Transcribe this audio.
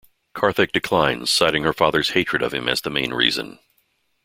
Karthik declines, citing her father's hatred of him as the main reason.